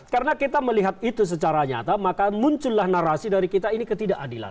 karena kita melihat itu secara nyata maka muncullah narasi dari kita ini ketidakadilan